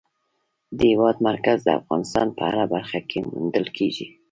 د هېواد مرکز د افغانستان په هره برخه کې موندل کېږي.